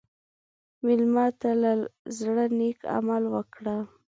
مېلمه ته له زړه نیک عمل وکړه.